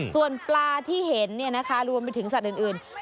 ส่วนปลาที่เห็นรวมไปถึงสัตว์อื่น